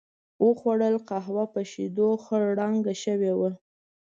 و خوړل، قهوه په شیدو خړ رنګه شوې وه.